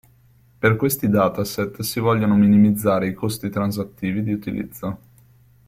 Per questi dataset, si vogliono minimizzare i costi transattivi di utilizzo.